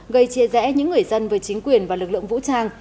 gây chia rẽ những người dân với chính quyền và lực lượng vũ trang